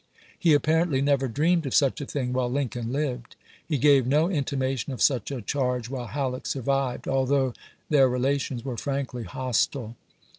He apparently never dreamed of such a thing while Lincoln lived ; he gave no inti mation of such a charge while Halleck survived, although their relations were frankly hostile.